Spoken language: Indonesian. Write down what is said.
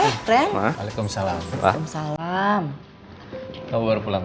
sini aja sebentar mau ke sana satu tim